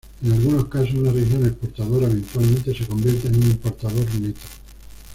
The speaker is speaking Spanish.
En algunos casos, una región exportadora eventualmente se convierte en un importador neto.